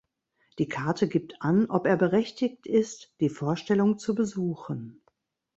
Die Karte gibt an, ob er berechtigt ist, die Vorstellung zu besuchen.